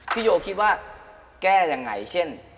พี่โยคิดว่าแก้อย่างไรเช่น